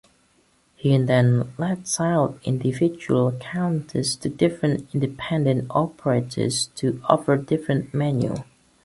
He then lets out individual counters to different independent operators to offer different menu.